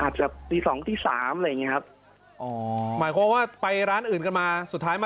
อาจจะ๒๐๐๓๐๐นอะไรนะครับ